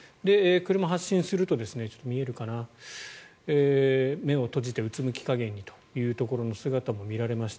車が発進するとちょっと見えるかな目を閉じてうつむき加減というところの姿も見られました。